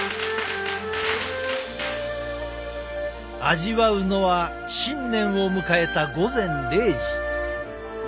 味わうのは新年を迎えた午前０時。